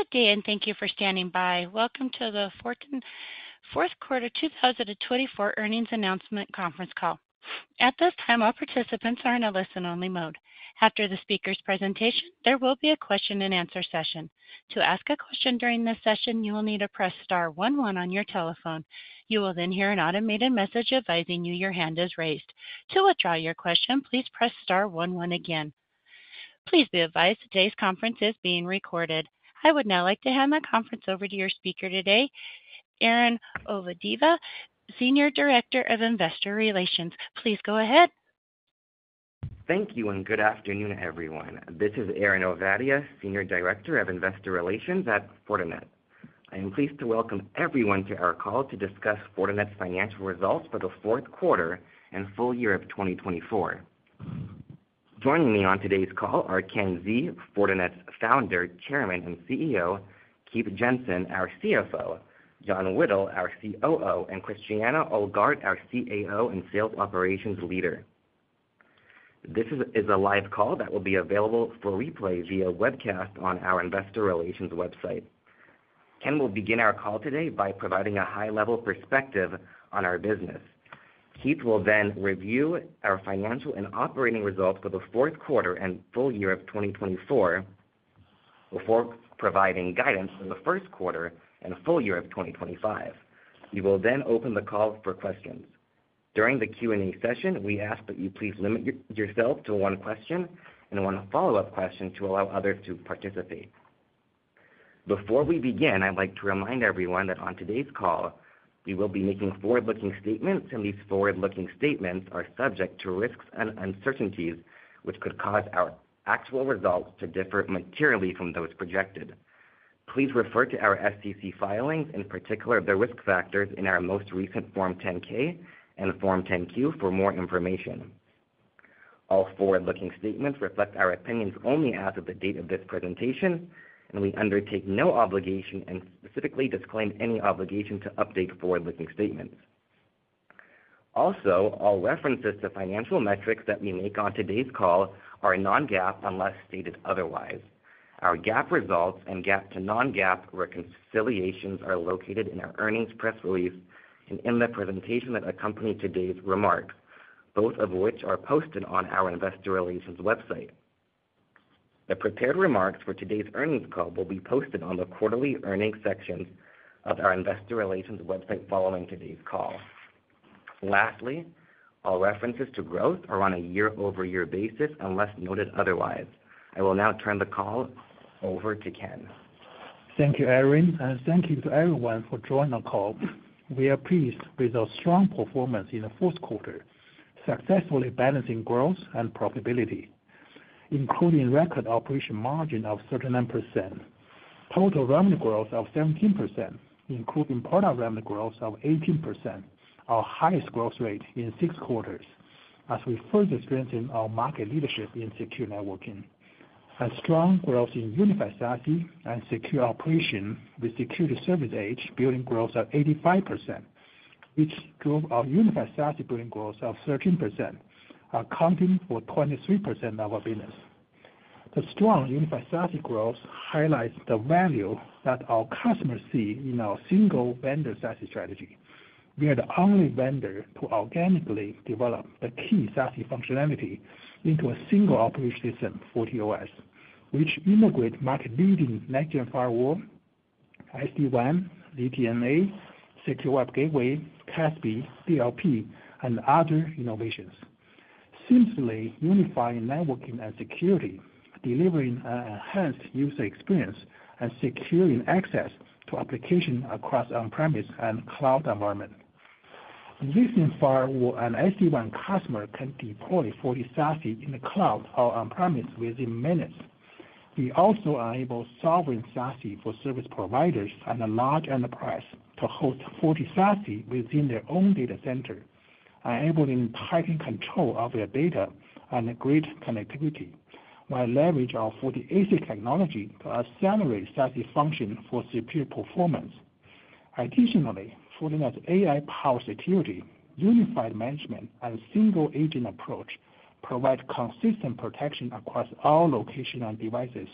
Good day, and thank you for standing by. Welcome to the fourth quarter 2024 earnings announcement conference call. At this time, all participants are in a listen-only mode. After the speaker's presentation, there will be a question-and-answer session. To ask a question during this session, you will need to press star one, one on your telephone. You will then hear an automated message advising you your hand is raised. To withdraw your question, please press star one one again. Please be advised today's conference is being recorded. I would now like to hand the conference over to your speaker today, Aaron Ovadia, Senior Director of Investor Relations. Please go ahead. Thank you, and good afternoon, everyone. This is Aaron Ovadia, Senior Director of Investor Relations at Fortinet. I am pleased to welcome everyone to our call to discuss Fortinet's financial results for the fourth quarter and full year of 2024. Joining me on today's call are Ken Xie, Fortinet's founder, chairman, and CEO, Keith Jensen, our CFO, John Whittle, our COO, and Christiane Ohlgart, our CAO and Sales Operations Leader. This is a live call that will be available for replay via webcast on our Investor Relations website. Ken will begin our call today by providing a high-level perspective on our business. Keith will then review our financial and operating results for the fourth quarter and full year of 2024, before providing guidance for the first quarter and full year of 2025. He will then open the call for questions. During the Q&A session, we ask that you please limit yourself to one question and one follow-up question to allow others to participate. Before we begin, I'd like to remind everyone that on today's call, we will be making forward-looking statements, and these forward-looking statements are subject to risks and uncertainties, which could cause our actual results to differ materially from those projected. Please refer to our SEC filings, in particular the risk factors in our most recent Form 10-K and Form 10-Q, for more information. All forward-looking statements reflect our opinions only as of the date of this presentation, and we undertake no obligation and specifically disclaim any obligation to update forward-looking statements. Also, all references to financial metrics that we make on today's call are non-GAAP unless stated otherwise. Our GAAP results and GAAP to non-GAAP reconciliations are located in our earnings press release and in the presentation that accompanied today's remarks, both of which are posted on our Investor Relations website. The prepared remarks for today's earnings call will be posted on the quarterly earnings sections of our Investor Relations website following today's call. Lastly, all references to growth are on a year-over-year basis unless noted otherwise. I will now turn the call over to Ken. Thank you, Aaron, and thank you to everyone for joining our call. We are pleased with our strong performance in the fourth quarter, successfully balancing growth and profitability, including record operating margin of 39%, total revenue growth of 17%, including product revenue growth of 18%, our highest growth rate in six quarters, as we further strengthen our market leadership in secure networking. Our strong growth in unified SASE and secure operations with Security Service Edge billings growth of 85%, which drove our unified SASE billings growth of 13%, accounting for 23% of our business. The strong unified SASE growth highlights the value that our customers see in our single vendor SASE strategy. We are the only vendor to organically develop the key SASE functionality into a single operating system, FortiOS, which integrates market-leading next-gen firewall, SD-WAN, ZTNA, Secure Web Gateway, CASB, DLP, and other innovations, seamlessly unifying networking and security, delivering an enhanced user experience and securing access to applications across on-premise and cloud environments. Using firewall and SD-WAN, customers can deploy FortiSASE in the cloud or on-premise within minutes. We also enable sovereign SASE for service providers and large enterprises to host FortiSASE within their own data center, enabling tightened control of their data and greater connectivity, while leveraging our FortiASIC technology to accelerate SASE function for secure performance. Additionally, Fortinet's AI-powered security, unified management, and single-agent approach provide consistent protection across all locations and devices,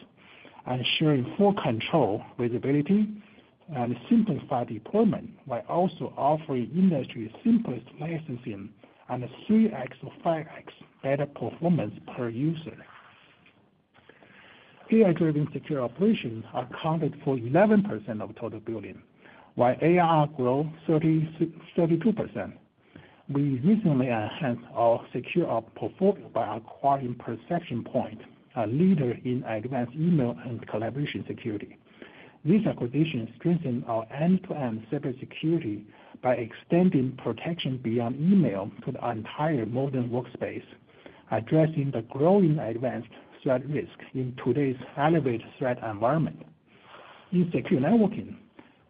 ensuring full control visibility and simplified deployment, while also offering industry's simplest licensing and 3x or 5x better performance per user. AI-driven secure operations accounted for 11% of total billings, while AI growth was 32%. We recently enhanced our security portfolio by acquiring Perception Point, a leader in advanced email and collaboration security. This acquisition strengthened our end-to-end cybersecurity by extending protection beyond email to the entire modern workspace, addressing the growing advanced threat risk in today's elevated threat environment. In secure networking,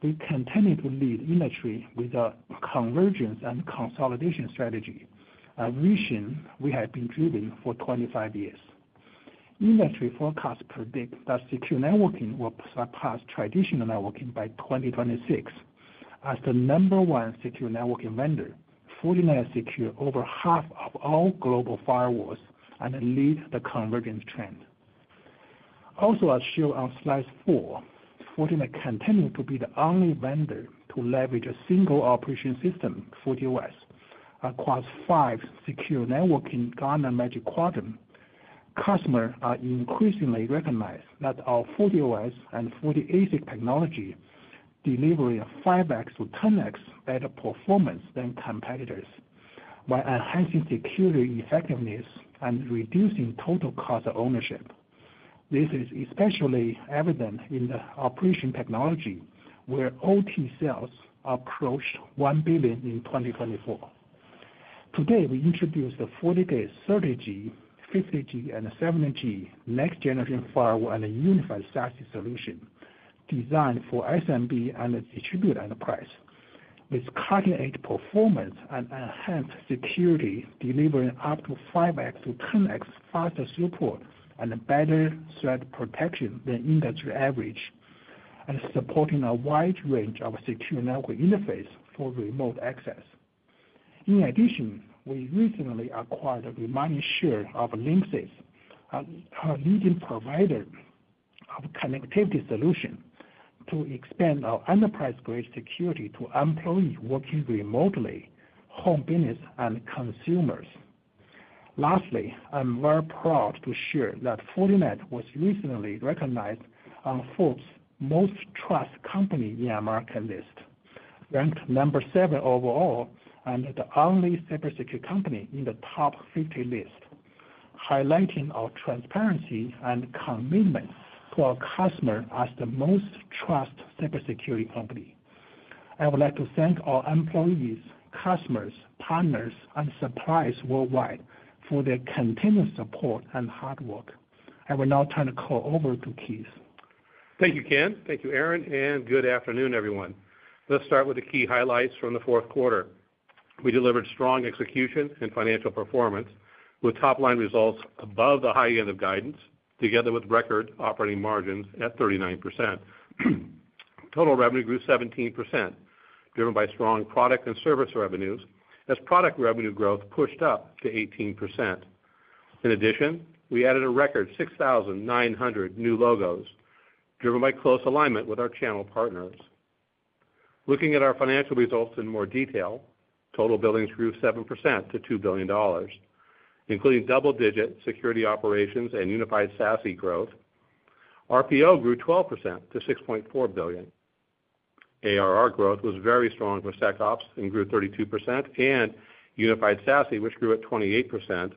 we continue to lead the industry with a convergence and consolidation strategy, a vision we have been driving for 25 years. Industry forecasts predict that secure networking will surpass traditional networking by 2026. As the number one secure networking vendor, Fortinet secures over half of all global firewalls and leads the convergence trend. Also, as shown on slide four, Fortinet continues to be the only vendor to leverage a single operating system, FortiOS, across five secure networking Gartner Magic Quadrants. Customers are increasingly recognizing that our FortiOS and FortiASIC technology deliver 5x to 10x better performance than competitors, while enhancing security effectiveness and reducing total cost of ownership. This is especially evident in the operational technology, where OT sales approached one billion in 2024. Today, we introduced the FortiGate 40G, 30G, 50G, and 70G next-generation firewall and unified SASE solution designed for SMB and distributed enterprise, with cutting-edge performance and enhanced security, delivering up to 5x to 10x faster throughput and better threat protection than industry average, and supporting a wide range of secure network interfaces for remote access. In addition, we recently acquired a remaining share of Linksys, our leading provider of connectivity solutions, to expand our enterprise-grade security to employees working remotely, home business, and consumers. Lastly, I'm very proud to share that Fortinet was recently recognized on Forbes' Most Trusted Company in America list, ranked number seven overall and the only cybersecurity company in the top 50 list, highlighting our transparency and commitment to our customers as the most trusted cybersecurity company. I would like to thank our employees, customers, partners, and suppliers worldwide for their continued support and hard work. I will now turn the call over to Keith. Thank you, Ken. Thank you, Aaron, and good afternoon, everyone. Let's start with the key highlights from the fourth quarter. We delivered strong execution and financial performance with top-line results above the high end of guidance, together with record operating margins at 39%. Total revenue grew 17%, driven by strong product and service revenues, as product revenue growth pushed up to 18%. In addition, we added a record 6,900 new logos, driven by close alignment with our channel partners. Looking at our financial results in more detail, total billings grew 7% to $2 billion, including double-digit security operations and unified SASE growth. RPO grew 12% to $6.4 billion. ARR growth was very strong for SecOps and grew 32%, and unified SASE, which grew at 28%,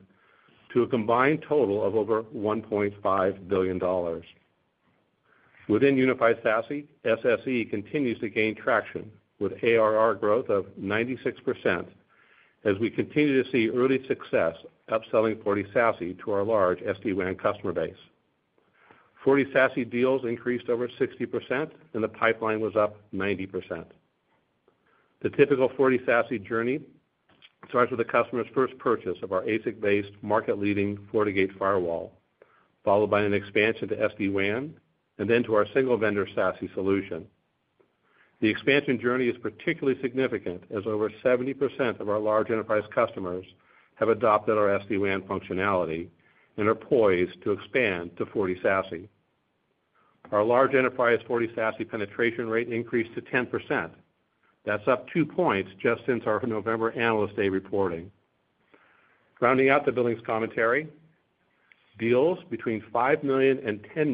to a combined total of over $1.5 billion. Within Unified SASE, SSE continues to gain traction with ARR growth of 96%, as we continue to see early success upselling FortiSASE to our large SD-WAN customer base. FortiSASE deals increased over 60%, and the pipeline was up 90%. The typical FortiSASE journey starts with the customer's first purchase of our ASIC-based market-leading FortiGate firewall, followed by an expansion to SD-WAN, and then to our single vendor SASE solution. The expansion journey is particularly significant, as over 70% of our large enterprise customers have adopted our SD-WAN functionality and are poised to expand to FortiSASE. Our large enterprise FortiSASE penetration rate increased to 10%. That's up two points just since our November Analyst Day reporting. Rounding out the billings commentary, deals between $5-$10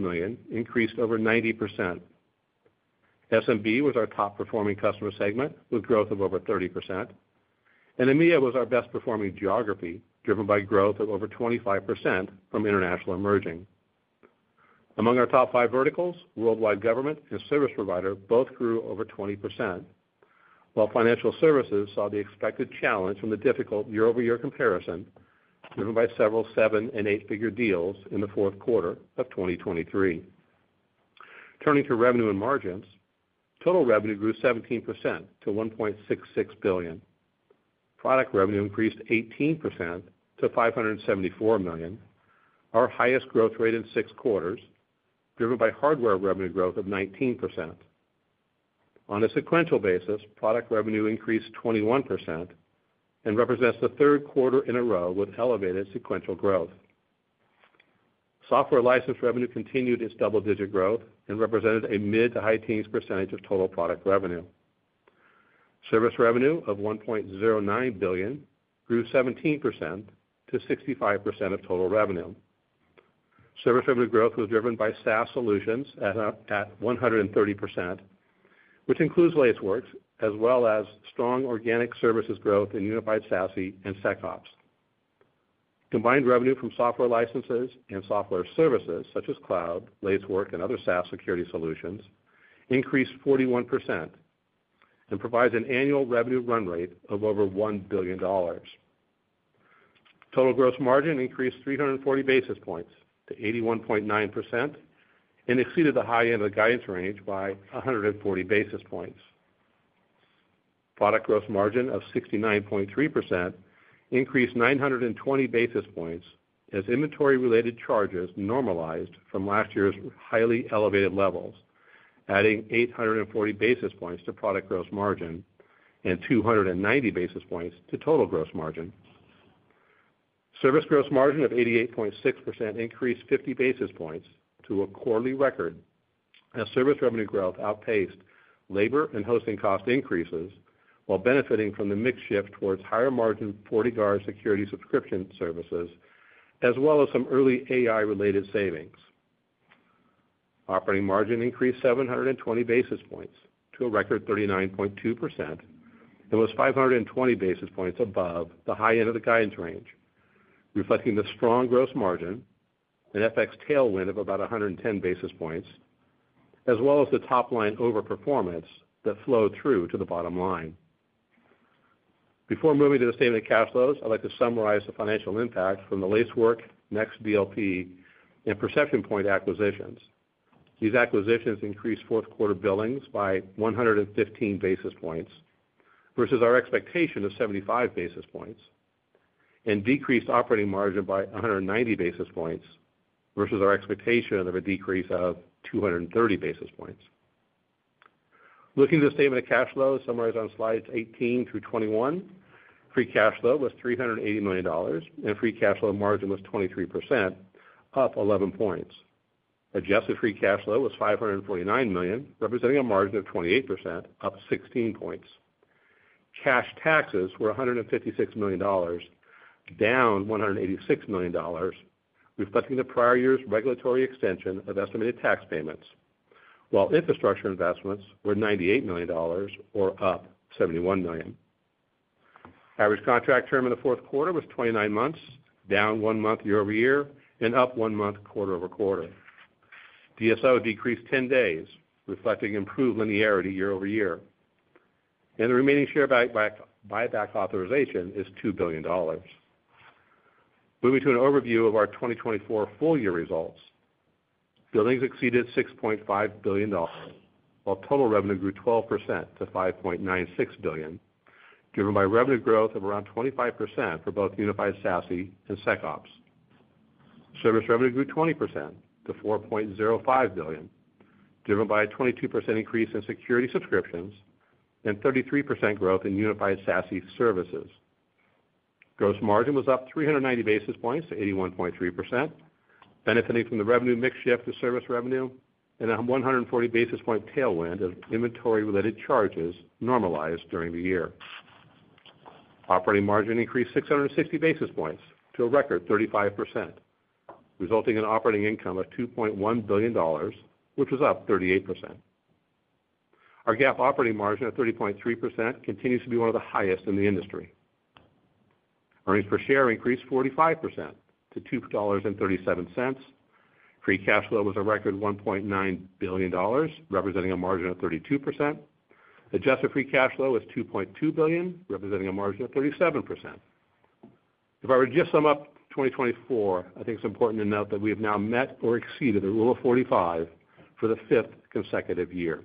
million increased over 90%. SMB was our top-performing customer segment, with growth of over 30%. EMEA was our best-performing geography, driven by growth of over 25% from International Emerging. Among our top five verticals, worldwide government and service provider both grew over 20%, while financial services saw the expected challenge from the difficult year-over-year comparison, driven by several seven- and eight-figure deals in the fourth quarter of 2023. Turning to revenue and margins, total revenue grew 17% to $1.66 billion. Product revenue increased 18% to $574 million, our highest growth rate in six quarters, driven by hardware revenue growth of 19%. On a sequential basis, product revenue increased 21% and represents the third quarter in a row with elevated sequential growth. Software license revenue continued its double-digit growth and represented a mid- to high-teens % of total product revenue. Service revenue of $1.09 billion grew 17% to 65% of total revenue. Service revenue growth was driven by SaaS solutions at 130%, which includes Lacework, as well as strong organic services growth in unified SASE and SecOps. Combined revenue from software licenses and software services, such as cloud, Lacework, and other SaaS security solutions, increased 41% and provides an annual revenue run rate of over $1 billion. Total gross margin increased 340 basis points to 81.9% and exceeded the high end of the guidance range by 140 basis points. Product gross margin of 69.3% increased 920 basis points as inventory-related charges normalized from last year's highly elevated levels, adding 840 basis points to product gross margin and 290 basis points to total gross margin. Service gross margin of 88.6% increased 50 basis points to a quarterly record, as service revenue growth outpaced labor and hosting cost increases, while benefiting from the mixed shift towards higher margin FortiGuard security subscription services, as well as some early AI-related savings. Operating margin increased 720 basis points to a record 39.2% and was 520 basis points above the high end of the guidance range, reflecting the strong gross margin, an FX tailwind of about 110 basis points, as well as the top-line overperformance that flowed through to the bottom line. Before moving to the statement of cash flows, I'd like to summarize the financial impact from the Lacework, NextDLP, and Perception Point acquisitions. These acquisitions increased fourth quarter billings by 115 basis points versus our expectation of 75 basis points and decreased operating margin by 190 basis points versus our expectation of a decrease of 230 basis points. Looking at the statement of cash flows, summarized on slides 18 through 21, free cash flow was $380 million, and free cash flow margin was 23%, up 11 points. Adjusted free cash flow was $549 million, representing a margin of 28%, up 16 points. Cash taxes were $156 million, down $186 million, reflecting the prior year's regulatory extension of estimated tax payments, while infrastructure investments were $98 million, or up $71 million. Average contract term in the fourth quarter was 29 months, down one month year over year and up one month quarter over quarter. DSO decreased 10 days, reflecting improved linearity year over year. The remaining share buyback authorization is $2 billion. Moving to an overview of our 2024 full year results, billings exceeded $6.5 billion, while total revenue grew 12% to $5.96 billion, driven by revenue growth of around 25% for both unified SASE and SecOps. Service revenue grew 20% to $4.05 billion, driven by a 22% increase in security subscriptions and 33% growth in unified SASE services. Gross margin was up 390 basis points to 81.3%, benefiting from the revenue mix shift to service revenue and a 140 basis point tailwind of inventory-related charges normalized during the year. Operating margin increased 660 basis points to a record 35%, resulting in operating income of $2.1 billion, which was up 38%. Our GAAP operating margin of 30.3% continues to be one of the highest in the industry. Earnings per share increased 45% to $2.37. Free cash flow was a record $1.9 billion, representing a margin of 32%. Adjusted free cash flow was $2.2 billion, representing a margin of 37%. If I were to just sum up 2024, I think it's important to note that we have now met or exceeded the Rule of 45 for the fifth consecutive year.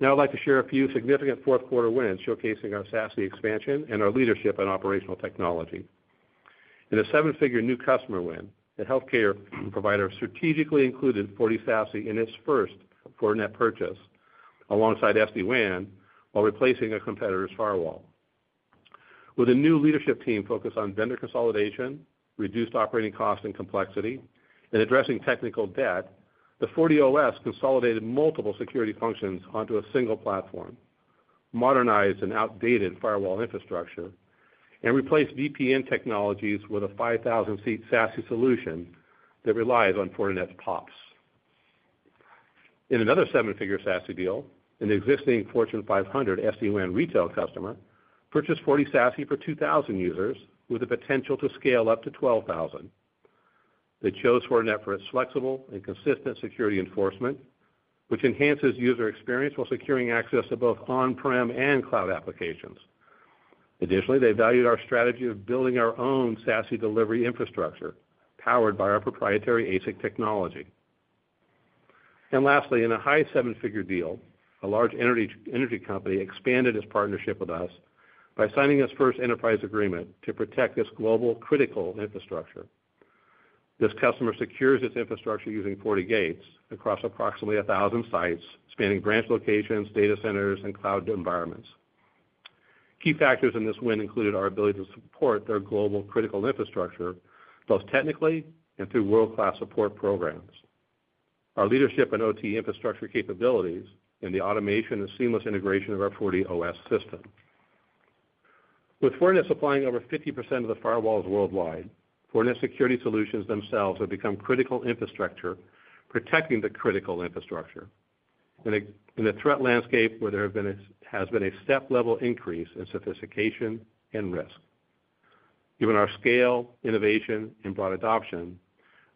Now, I'd like to share a few significant fourth quarter wins showcasing our SASE expansion and our leadership in operational technology. In a seven-figure new customer win, the healthcare provider strategically included FortiSASE in its first Fortinet purchase alongside SD-WAN while replacing a competitor's firewall. With a new leadership team focused on vendor consolidation, reduced operating cost and complexity, and addressing technical debt, the FortiOS consolidated multiple security functions onto a single platform, modernized an outdated firewall infrastructure, and replaced VPN technologies with a 5,000-seat SASE solution that relies on Fortinet's PoPs. In another seven-figure SASE deal, an existing Fortune 500 SD-WAN retail customer purchased FortiSASE for 2,000 users with the potential to scale up to 12,000. They chose Fortinet for its flexible and consistent security enforcement, which enhances user experience while securing access to both on-prem and cloud applications. Additionally, they valued our strategy of building our own SASE delivery infrastructure powered by our proprietary ASIC technology, and lastly, in a high seven-figure deal, a large energy company expanded its partnership with us by signing its first enterprise agreement to protect its global critical infrastructure. This customer secures its infrastructure using FortiGates across approximately 1,000 sites, spanning branch locations, data centers, and cloud environments. Key factors in this win included our ability to support their global critical infrastructure both technically and through world-class support programs, our leadership and OT infrastructure capabilities, and the automation and seamless integration of our FortiOS system. With Fortinet supplying over 50% of the firewalls worldwide, Fortinet security solutions themselves have become critical infrastructure protecting the critical infrastructure in a threat landscape where there has been a step-level increase in sophistication and risk. Given our scale, innovation, and broad adoption,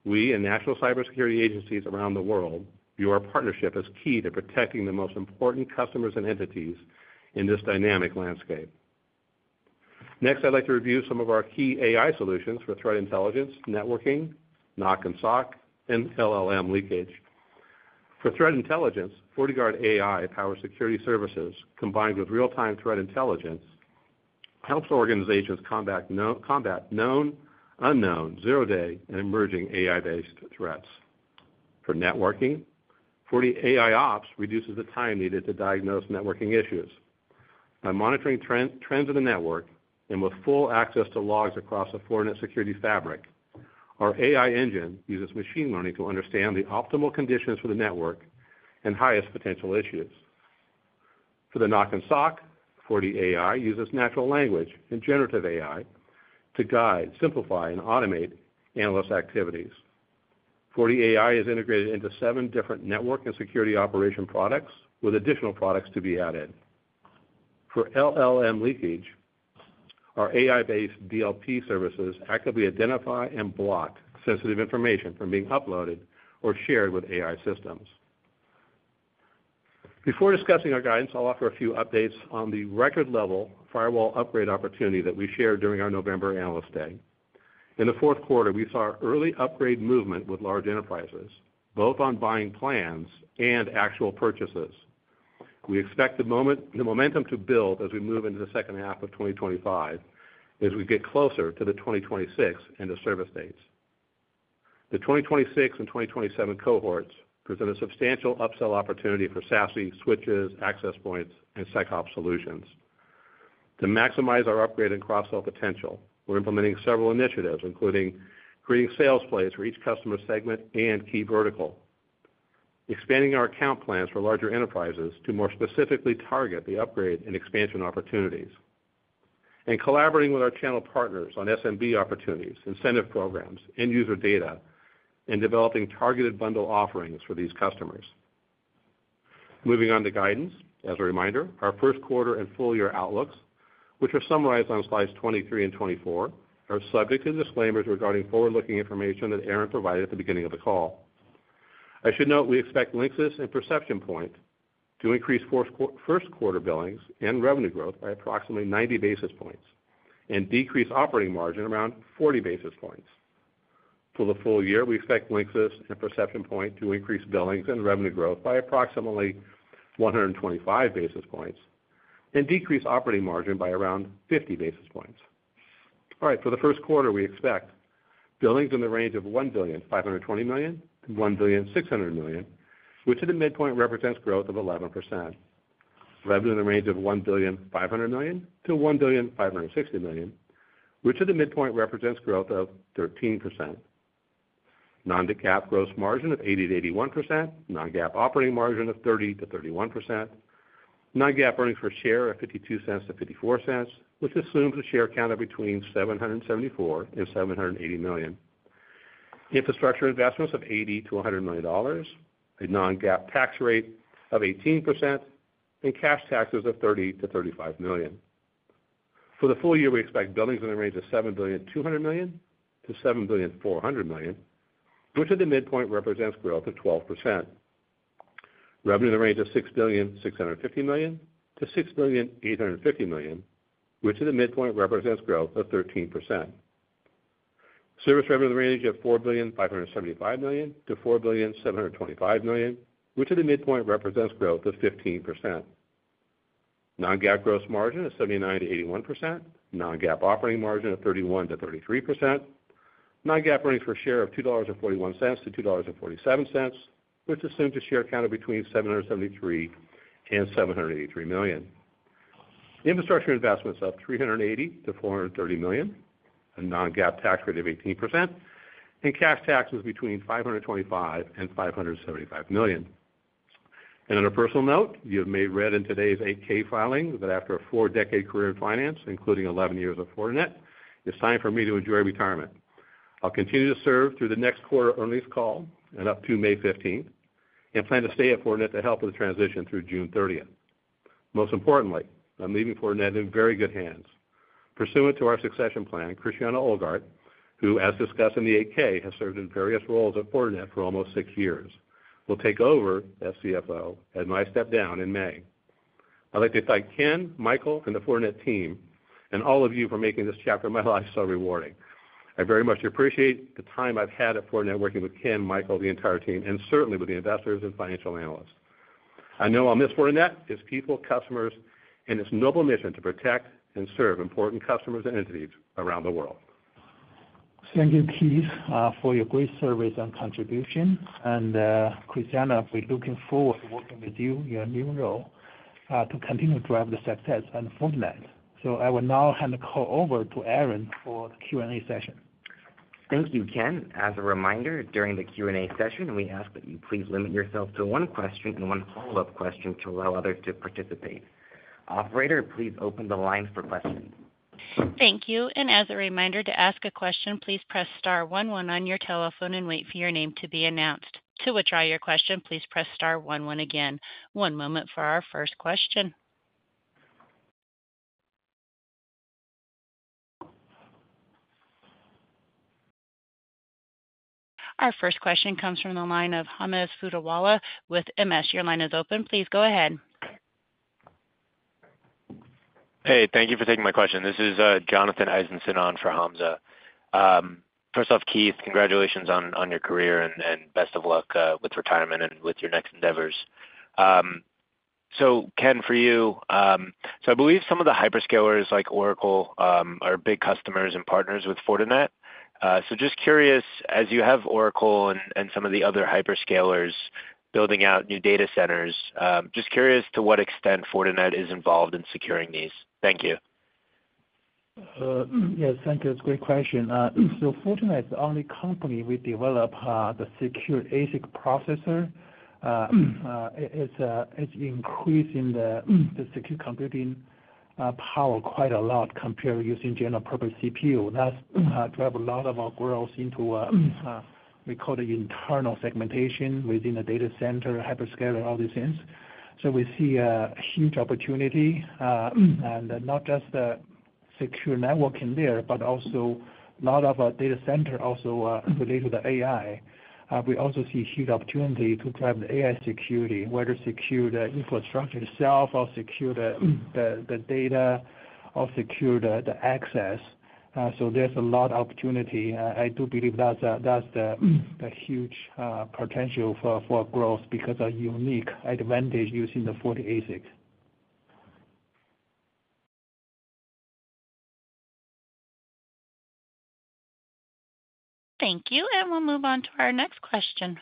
we and national cybersecurity agencies around the world view our partnership as key to protecting the most important customers and entities in this dynamic landscape. Next, I'd like to review some of our key AI solutions for threat intelligence, networking, NOC and SOC, and LLM leakage. For threat intelligence, FortiGuard AI powers security services combined with real-time threat intelligence, helps organizations combat known, unknown, zero-day, and emerging AI-based threats. For networking, FortiAIOps reduces the time needed to diagnose networking issues. By monitoring trends in the network and with full access to logs across the Fortinet security fabric, our AI engine uses machine learning to understand the optimal conditions for the network and highest potential issues. For the NOC and SOC, FortiAI uses natural language and generative AI to guide, simplify, and automate analyst activities. FortiAI is integrated into seven different network and security operation products, with additional products to be added. For LLM leakage, our AI-based DLP services actively identify and block sensitive information from being uploaded or shared with AI systems. Before discussing our guidance, I'll offer a few updates on the record-level firewall upgrade opportunity that we shared during our November Analyst Day. In the fourth quarter, we saw early upgrade movement with large enterprises, both on buying plans and actual purchases. We expect the momentum to build as we move into the second half of 2025, as we get closer to the 2026 end-of-service dates. The 2026 and 2027 cohorts present a substantial upsell opportunity for SASE switches, access points, and SecOps solutions. To maximize our upgrade and cross-sell potential, we're implementing several initiatives, including creating sales plays for each customer segment and key vertical, expanding our account plans for larger enterprises to more specifically target the upgrade and expansion opportunities, and collaborating with our channel partners on SMB opportunities, incentive programs, end-user data, and developing targeted bundle offerings for these customers. Moving on to guidance, as a reminder, our first quarter and full year outlooks, which are summarized on slides 23 and 24, are subject to disclaimers regarding forward-looking information that Aaron provided at the beginning of the call. I should note we expect Linksys and Perception Point to increase first quarter billings and revenue growth by approximately 90 basis points and decrease operating margin around 40 basis points. For the full year, we expect Linksys and Perception Point to increase billings and revenue growth by approximately 125 basis points and decrease operating margin by around 50 basis points. All right, for the first quarter, we expect billings in the range of $1,520 million-$1,600 million, which at the midpoint represents growth of 11%. Revenue in the range of $1,500 million-$1,560 million, which at the midpoint represents growth of 13%. Non-GAAP gross margin of 80%-81%, non-GAAP operating margin of 30%-31%, non-GAAP earnings per share of $0.52-$0.54, which assumes a share count of between 774 and 780 million. Infrastructure investments of $80-$100 million, a non-GAAP tax rate of 18%, and cash taxes of $30-$35 million. For the full year, we expect billings in the range of $7,200-$7,400 million, which at the midpoint represents growth of 12%. Revenue in the range of $6,650-$6,850 million, which at the midpoint represents growth of 13%. Service revenue in the range of $4,575-$4,725 million, which at the midpoint represents growth of 15%. Non-GAAP gross margin of 79%-81%, non-GAAP operating margin of 31%-33%, non-GAAP earnings per share of $2.41-$2.47, which assumes a share count of between 773 and 783 million. Infrastructure investments of $380-$430 million, a non-GAAP tax rate of 18%, and cash taxes between $525 and $575 million. On a personal note, you may have read in today's 8-K filing that after a four-decade career in finance, including 11 years at Fortinet, it's time for me to enjoy retirement. I'll continue to serve through the next quarter earnings call and up to May 15th, and plan to stay at Fortinet to help with the transition through June 30th. Most importantly, I'm leaving Fortinet in very good hands. Pursuant to our succession plan, Christiane Ohlgart, who, as discussed in the 8-K, has served in various roles at Fortinet for almost six years, will take over as CFO at my step down in May. I'd like to thank Ken, Michael, and the Fortinet team, and all of you for making this chapter of my life so rewarding. I very much appreciate the time I've had at Fortinet working with Ken, Michael, the entire team, and certainly with the investors and financial analysts. I know I'll miss Fortinet, its people, customers, and its noble mission to protect and serve important customers and entities around the world. Thank you, Keith, for your great service and contribution, and Christiane, we're looking forward to working with you in your new role to continue to drive the success of Fortinet. I will now hand the call over to Aaron for the Q&A session. Thank you, Ken. As a reminder, during the Q&A session, we ask that you please limit yourself to one question and one follow-up question to allow others to participate. Operator, please open the lines for questions. Thank you. And as a reminder, to ask a question, please press star one one on your telephone and wait for your name to be announced. To withdraw your question, please press star one one again. One moment for our first question. Our first question comes from the line of Hamza Fodderwala with MS. Your line is open. Please go ahead. Hey, thank you for taking my question. This is Jonathan Eisenson on for Hamza. First off, Keith, congratulations on your career and best of luck with retirement and with your next endeavors. So Ken, for you, so I believe some of the hyperscalers like Oracle are big customers and partners with Fortinet. So just curious, as you have Oracle and some of the other hyperscalers building out new data centers, just curious to what extent Fortinet is involved in securing these. Thank you. Yes, thank you. It's a great question. So Fortinet is the only company we develop the secure ASIC processor. It's increasing the secure computing power quite a lot compared to using general-purpose CPU. That's driven a lot of our growth into secure internal segmentation within the data center, hyperscaler, all these things. So we see a huge opportunity, and not just secure networking there, but also a lot of data centers also related to the AI. We also see a huge opportunity to drive the AI security, whether secure the infrastructure itself or secure the data or secure the access. So there's a lot of opportunity. I do believe that's the huge potential for growth because of unique advantage using the FortiASIC. Thank you, and we'll move on to our next question.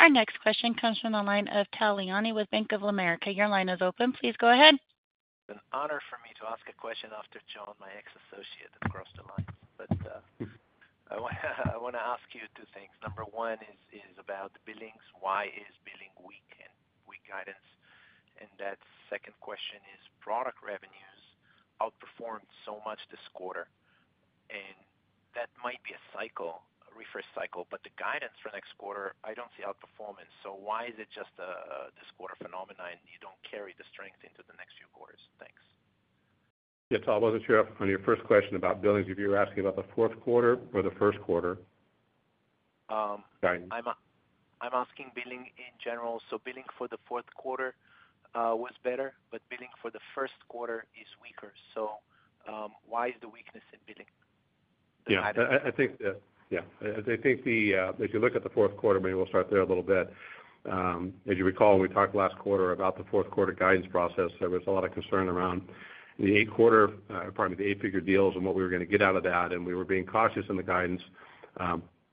Our next question comes from the line of Tal Liani with Bank of America. Your line is open. Please go ahead. It's an honor for me to ask a question, after John, my ex-associate, that crossed the line. But I want to ask you two things. Number one is about billings. Why is billings weak and weak guidance? And that second question is product revenues outperformed so much this quarter. And that might be a cycle, a reverse cycle, but the guidance for next quarter, I don't see outperformance. So why is it just a this-quarter phenomenon and you don't carry the strength into the next few quarters? Thanks. Yeah, Tal wasn't sure on your first question about billings. If you were asking about the fourth quarter or the first quarter? I'm asking billing in general. So billing for the fourth quarter was better, but billing for the first quarter is weaker. So why is the weakness in billing? Yeah, I think that, yeah. I think if you look at the fourth quarter, maybe we'll start there a little bit. As you recall, when we talked last quarter about the fourth quarter guidance process, there was a lot of concern around the eight-quarter, pardon me, the eight-figure deals and what we were going to get out of that. And we were being cautious in the guidance.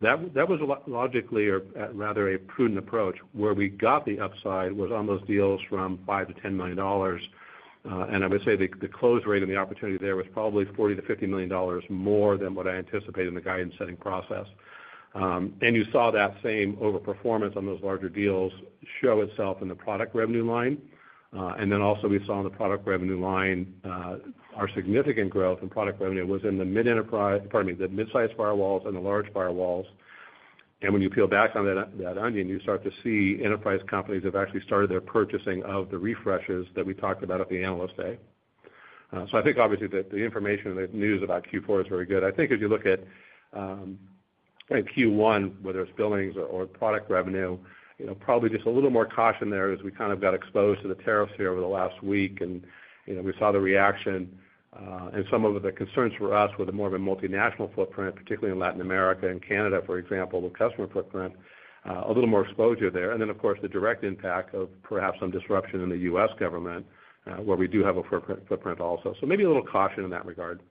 That was logically, or rather a prudent approach, where we got the upside was on those deals from $5-$10 million. And I would say the close rate and the opportunity there was probably $40-$50 million more than what I anticipated in the guidance-setting process. And you saw that same overperformance on those larger deals show itself in the product revenue line. And then also we saw on the product revenue line, our significant growth in product revenue was in the mid-enterprise, pardon me, the mid-size firewalls and the large firewalls. And when you peel back on that onion, you start to see enterprise companies have actually started their purchasing of the refreshes that we talked about at the Analyst Day. So I think obviously the information and the news about Q4 is very good. I think as you look at Q1, whether it's billings or product revenue, probably just a little more caution there as we kind of got exposed to the tariffs here over the last week. And we saw the reaction. And some of the concerns for us were the more of a multinational footprint, particularly in Latin America and Canada, for example, the customer footprint, a little more exposure there. And then, of course, the direct impact of perhaps some disruption in the U.S. government, where we do have a footprint also, so maybe a little caution in that regard.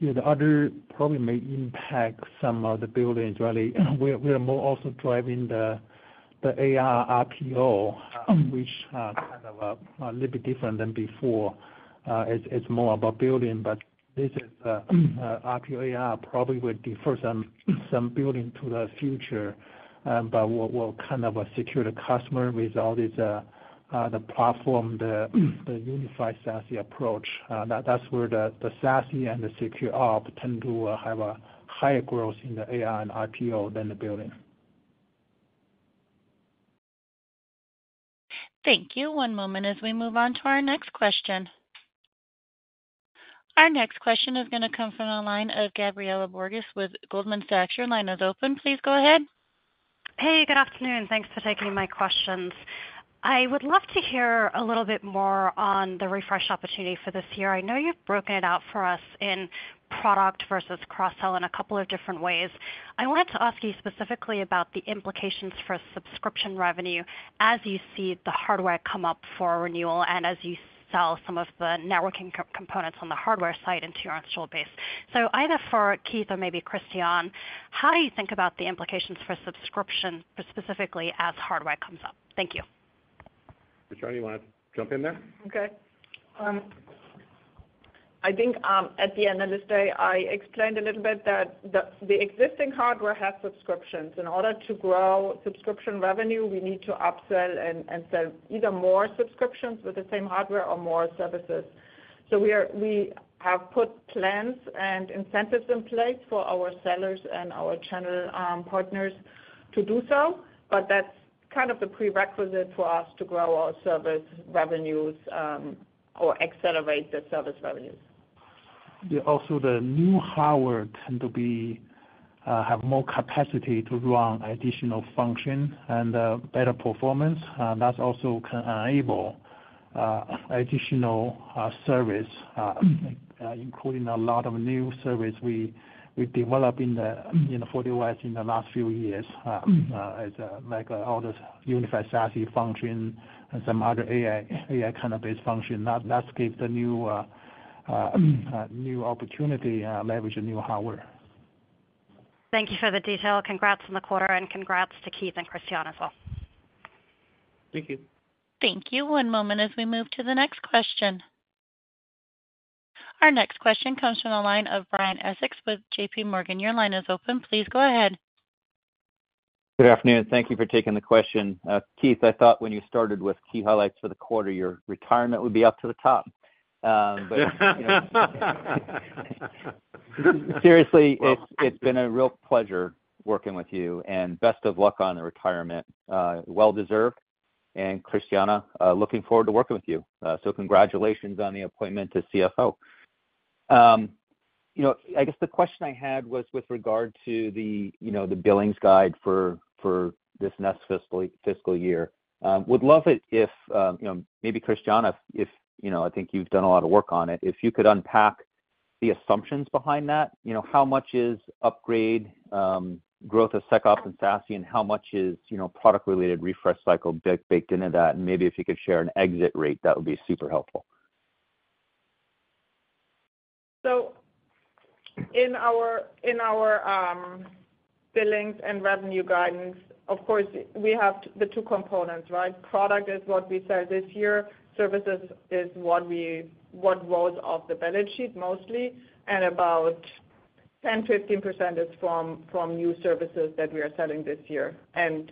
Yeah, the other probably may impact some of the billings, really. We are now also driving the ARR, RPO, which is kind of a little bit different than before. It's more about billings. But this is RPO, ARR, probably will defer some billings to the future, but will kind of secure the customer with all the platform, the unified SASE approach. That's where the SASE and the SecOps tend to have a higher growth in the ARR and RPO than the billings. Thank you. One moment as we move on to our next question. Our next question is going to come from the line of Gabriela Borges with Goldman Sachs. Your line is open. Please go ahead. Hey, good afternoon. Thanks for taking my questions. I would love to hear a little bit more on the refresh opportunity for this year. I know you've broken it out for us in product versus cross-sell in a couple of different ways. I wanted to ask you specifically about the implications for subscription revenue as you see the hardware come up for renewal and as you sell some of the networking components on the hardware side into your installed base. So either for Keith or maybe Christiane, how do you think about the implications for subscription specifically as hardware comes up? Thank you. Christiane, you want to jump in there? Okay. I think at the Analyst Day, I explained a little bit that the existing hardware has subscriptions. In order to grow subscription revenue, we need to upsell and sell either more subscriptions with the same hardware or more services. So we have put plans and incentives in place for our sellers and our channel partners to do so. But that's kind of the prerequisite for us to grow our service revenues or accelerate the service revenues. Yeah, also the new hardware tend to have more capacity to run additional functions and better performance. That also can enable additional service, including a lot of new service we developed in Fortinet in the last few years like all the Unified SASE function and some other AI kind of base function. That gives the new opportunity to leverage the new hardware. Thank you for the detail. Congrats on the quarter and congrats to Keith and Christiane as well. Thank you. Thank you. One moment as we move to the next question. Our next question comes from the line of Brian Essex with JPMorgan. Your line is open. Please go ahead. Good afternoon. Thank you for taking the question. Keith, I thought when you started with key highlights for the quarter, your retirement would be up to the top. But seriously, it's been a real pleasure working with you. And best of luck on the retirement. Well-deserved. And Christiane, looking forward to working with you. So congratulations on the appointment to CFO. I guess the question I had was with regard to the billings guide for this next fiscal year. Would love it if maybe Christiane, I think you've done a lot of work on it, if you could unpack the assumptions behind that. How much is upgrade, growth of SecOps and SASE, and how much is product-related refresh cycle baked into that? And maybe if you could share an exit rate, that would be super helpful. So in our billings and revenue guidance, of course, we have the two components, right? Product is what we sell this year. Services is what rolls off the balance sheet mostly. And about 10%-15% is from new services that we are selling this year. And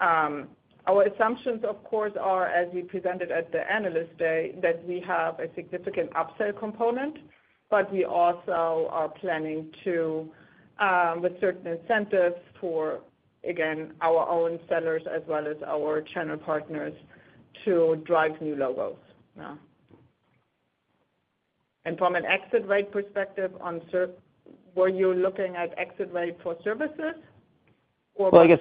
our assumptions, of course, are, as we presented at the Analyst Day, that we have a significant upsell component. But we also are planning to, with certain incentives for, again, our own sellers as well as our channel partners, to drive new logos. And from an exit rate perspective, were you looking at exit rate for services or? I guess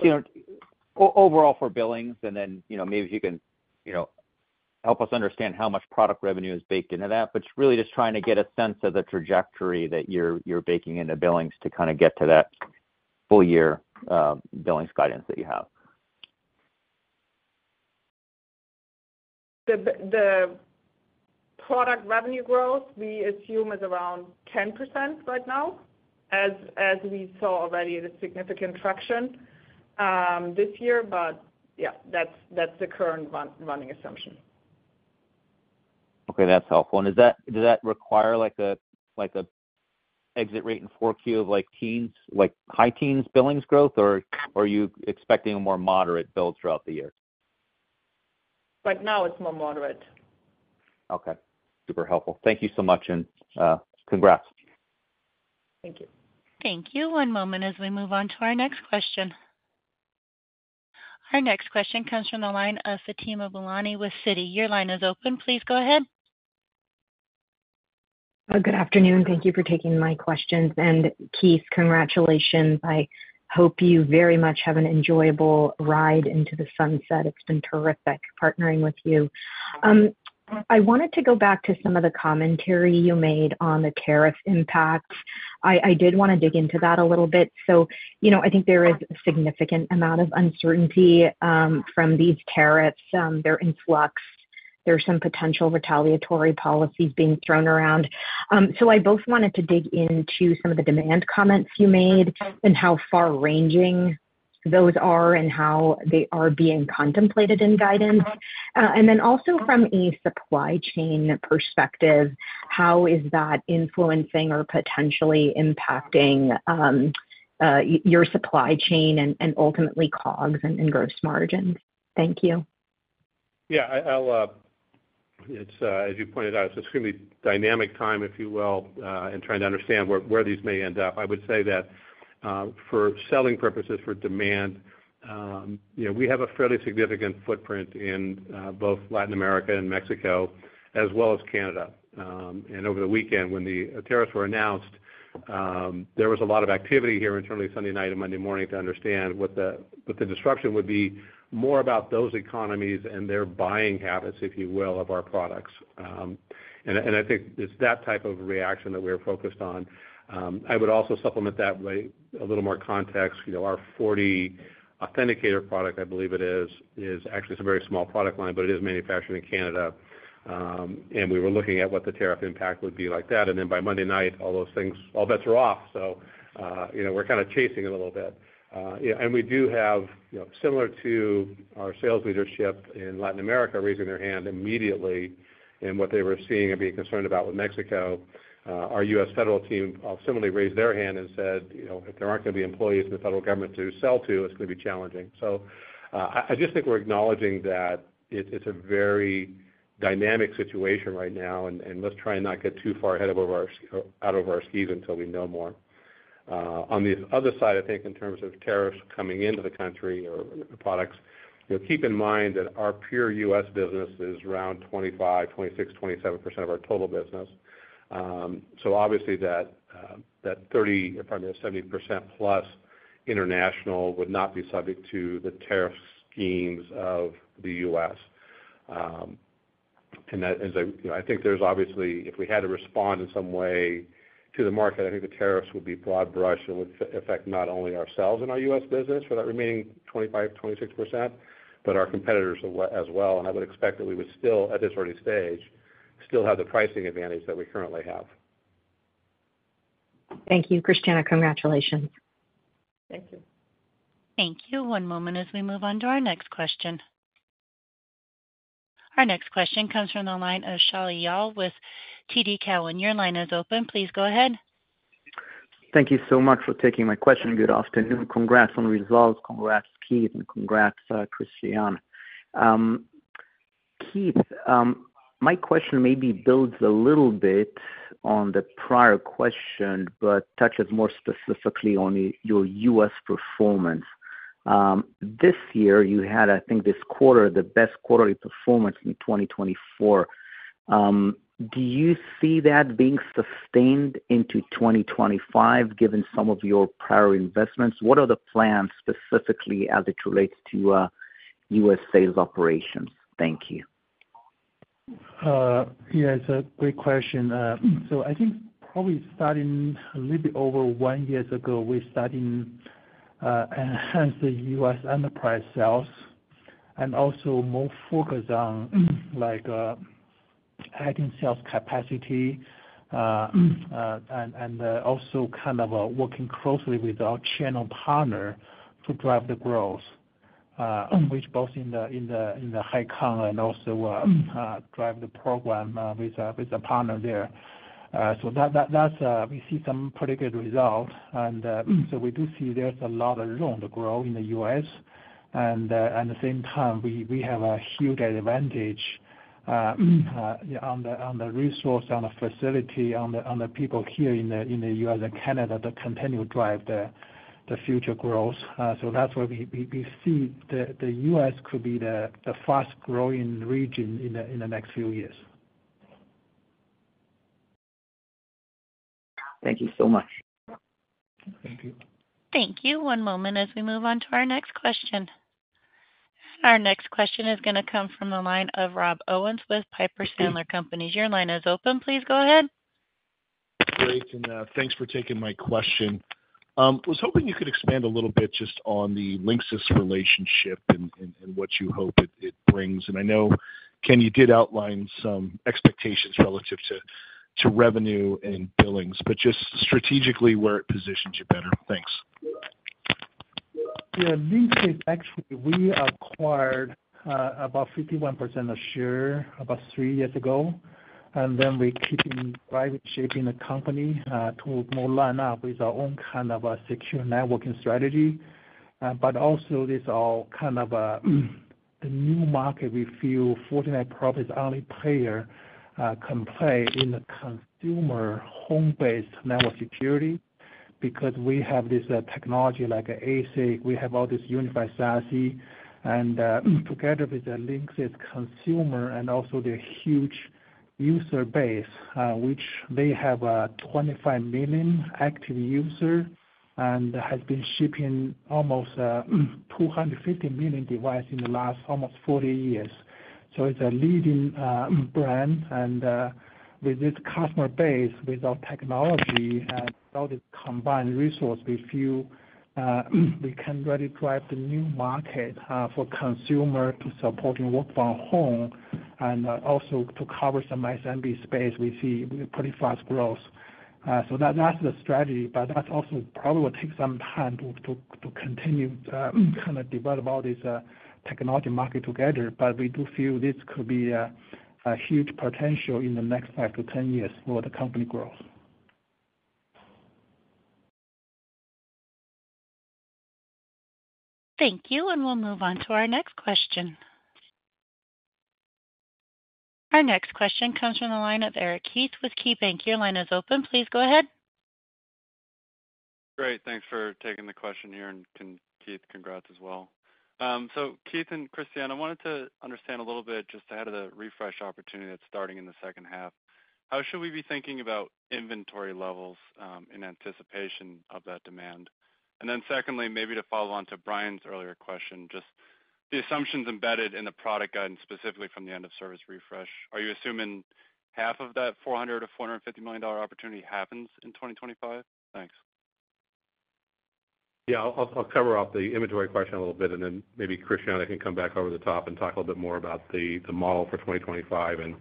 overall for billings, and then maybe if you can help us understand how much product revenue is baked into that. But really just trying to get a sense of the trajectory that you're baking into billings to kind of get to that full-year billings guidance that you have. The product revenue growth we assume is around 10% right now, as we saw already the significant traction this year. But yeah, that's the current running assumption. Okay, that's helpful. And does that require an exit rate in Q4 of high teens billings growth, or are you expecting a more moderate build throughout the year? Right now, it's more moderate. Okay. Super helpful. Thank you so much, and congrats. Thank you. Thank you. One moment as we move on to our next question. Our next question comes from the line of Fatima Boolani with Citi. Your line is open. Please go ahead. Good afternoon. Thank you for taking my questions, and Keith, congratulations. I hope you very much have an enjoyable ride into the sunset. It's been terrific partnering with you. I wanted to go back to some of the commentary you made on the tariff impact. I did want to dig into that a little bit, so I think there is a significant amount of uncertainty from these tariffs. They're in flux. There's some potential retaliatory policies being thrown around, so I both wanted to dig into some of the demand comments you made and how far-ranging those are and how they are being contemplated in guidance, and then also from a supply chain perspective, how is that influencing or potentially impacting your supply chain and ultimately COGS and gross margins? Thank you. Yeah, as you pointed out, it's an extremely dynamic time, if you will, and trying to understand where these may end up. I would say that for selling purposes, for demand, we have a fairly significant footprint in both Latin America and Mexico, as well as Canada. And over the weekend, when the tariffs were announced, there was a lot of activity here internally Sunday night and Monday morning to understand what the disruption would be more about those economies and their buying habits, if you will, of our products. And I think it's that type of reaction that we're focused on. I would also supplement that with a little more context. Our FortiAuthenticator product, I believe it is, is actually a very small product line, but it is manufactured in Canada. And we were looking at what the tariff impact would be like that. Then by Monday night, all those things, all bets were off. So we're kind of chasing a little bit. And we do have, similar to our sales leadership in Latin America raising their hand immediately in what they were seeing and being concerned about with Mexico, our U.S. federal team similarly raised their hand and said, "If there aren't going to be employees in the federal government to sell to, it's going to be challenging." So I just think we're acknowledging that it's a very dynamic situation right now. And let's try and not get too far ahead out of our skis until we know more. On the other side, I think in terms of tariffs coming into the country or products, keep in mind that our pure U.S. business is around 25%, 26%, 27% of our total business. So obviously that 30, pardon me, 70% plus international would not be subject to the tariff schemes of the U.S. And I think there's obviously, if we had to respond in some way to the market, I think the tariffs would be broad brush and would affect not only ourselves and our U.S. business for that remaining 25-26%, but our competitors as well. And I would expect that we would still, at this early stage, still have the pricing advantage that we currently have. Thank you. Christiane, congratulations. Thank you. Thank you. One moment as we move on to our next question. Our next question comes from the line of Shaul Eyal with TD Cowen. Your line is open. Please go ahead. Thank you so much for taking my question. Good afternoon. Congrats on results. Congrats, Keith, and congrats, Christiane. Keith, my question maybe builds a little bit on the prior question, but touches more specifically on your U.S. performance. This year, you had, I think this quarter, the best quarterly performance in 2024. Do you see that being sustained into 2025, given some of your prior investments? What are the plans specifically as it relates to U.S. sales operations? Thank you. Yeah, it's a great question. So I think probably starting a little bit over one year ago, we started enhancing U.S. enterprise sales and also more focused on adding sales capacity and also kind of working closely with our channel partner to drive the growth, which both in the high-end and also drive the program with a partner there. So we see some pretty good results. And so we do see there's a lot of room to grow in the U.S. And at the same time, we have a huge advantage on the resource, on the facility, on the people here in the U.S. and Canada to continue to drive the future growth. So that's why we see the U.S. could be the fast-growing region in the next few years. Thank you so much. Thank you. Thank you. One moment as we move on to our next question. Our next question is going to come from the line of Rob Owens with Piper Sandler Companies. Your line is open. Please go ahead. Great. And thanks for taking my question. I was hoping you could expand a little bit just on the Linksys relationship and what you hope it brings. And I know, Ken, you did outline some expectations relative to revenue and billings, but just strategically, where it positions you better. Thanks. Yeah, Linksys is actually we acquired about 51% of Linksys about three years ago. And then we keep in driving shaping the company to more line up with our own kind of secure networking strategy. But also this all kind of the new market, we feel Fortinet probably is the only player can play in the consumer home-based network security because we have this technology like ASIC. We have all this unified SASE. And together with the Linksys, it's consumer and also the huge user base, which they have 25 million active users and has been shipping almost 250 million devices in the last almost 40 years. So it's a leading brand. And with this customer base, with our technology and all this combined resource, we feel we can really drive the new market for consumer to support and work from home and also to cover some SMB space. We see pretty fast growth. So that's the strategy. But that's also probably will take some time to continue to kind of develop all this technology market together. But we do feel this could be a huge potential in the next five to 10 years for the company growth. Thank you. And we'll move on to our next question. Our next question comes from the line of Eric Heath with KeyBanc Capital Markets. Your line is open. Please go ahead. Great. Thanks for taking the question here. And Keith, congrats as well. So Keith and Christiane, I wanted to understand a little bit just ahead of the refresh opportunity that's starting in the second half. How should we be thinking about inventory levels in anticipation of that demand? And then secondly, maybe to follow on to Brian's earlier question, just the assumptions embedded in the product guidance specifically from the end-of-service refresh, are you assuming half of that $400-$450 million opportunity happens in 2025? Thanks. Yeah, I'll cover off the inventory question a little bit, and then maybe Christiane can come back over the top and talk a little bit more about the model for 2025, and